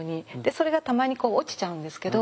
それがたまにこう落ちちゃうんですけど。